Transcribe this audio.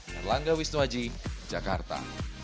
berlangga wisnuwaji jakarta